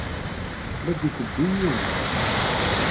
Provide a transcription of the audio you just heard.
La d-itteddu yiwen.